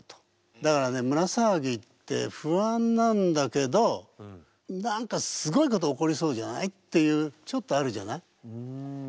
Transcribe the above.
だからね胸騒ぎって不安なんだけど何かすごいこと起こりそうじゃない？っていうちょっとあるじゃない？